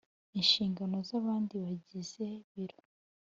inshingano z’abandi bagize biro